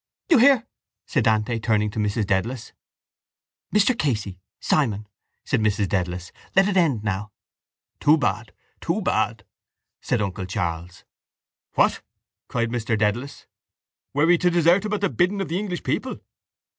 —You hear? said Dante, turning to Mrs Dedalus. —Mr Casey! Simon! said Mrs Dedalus, let it end now. —Too bad! Too bad! said uncle Charles. —What? cried Mr Dedalus. Were we to desert him at the bidding of the English people?